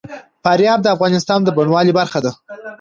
فاریاب د افغانستان د بڼوالۍ برخه ده.